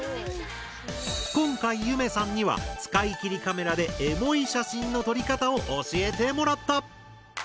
今回ゆめさんには使い切りカメラでエモい写真の撮り方を教えてもらった！